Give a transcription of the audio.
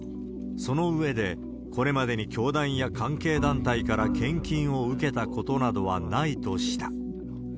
その上で、これまでに教団や関係団体から献金を受けたことなどはないとした。